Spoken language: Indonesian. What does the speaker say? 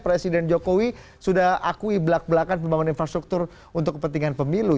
presiden jokowi sudah akui belak belakan pembangunan infrastruktur untuk kepentingan pemilu